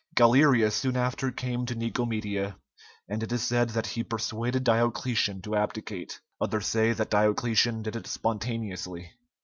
Galerius soon after came to Nicomedia, and it is said that he persuaded Diocletian to abdicate. Others say that Diocletian did it spontaneously.